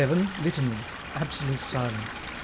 Litanies. Absolute Silence.